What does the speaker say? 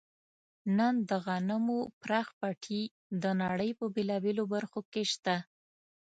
نن د غنمو پراخ پټي د نړۍ په بېلابېلو برخو کې شته.